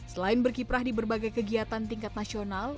selain berkiprah di berbagai kegiatan tingkat nasional